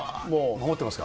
守ってますか？